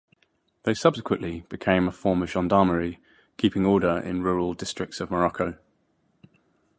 They subsequently became a form of gendarmerie, keeping order in rural districts of Morocco.